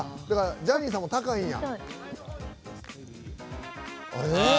ジャニーさんも高いんや。